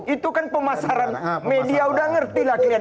itu kan pemasaran media udah ngerti lah kalian